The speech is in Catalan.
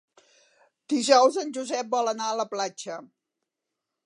Dijous en Josep vol anar a la platja.